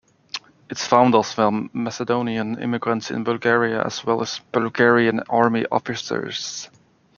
Its founders were Macedonian immigrants in Bulgaria as well as Bulgarian army officers.